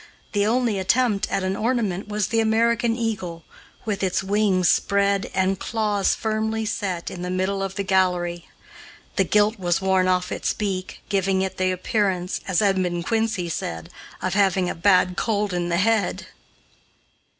The only attempt at an ornament was the American eagle, with its wings spread and claws firmly set, in the middle of the gallery. The gilt was worn off its beak, giving it the appearance, as Edmund Quincy said, of having a bad cold in the head.